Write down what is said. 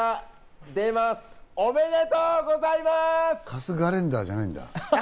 カスガレンダーじゃないんだ？